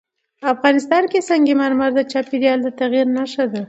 افغانستان کې سنگ مرمر د چاپېریال د تغیر نښه ده.